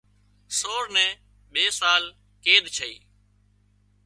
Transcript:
سور نين ٻي سال قيد ڇئي